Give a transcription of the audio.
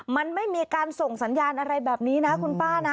มันไม่มีการส่งสัญญาณอะไรแบบนี้นะคุณป้านะ